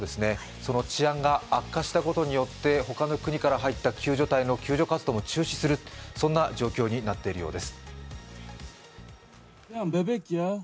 その治安が悪化したことによって、他の国から入った救助隊の救助活動も中止する、そんな状況になっているようです。